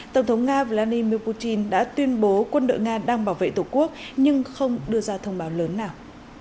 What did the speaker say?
tổng thống nga vladimir putin đã tuyên bố quân đội nga đang bảo vệ tổ quốc nhưng không đưa ra thông báo lớn nào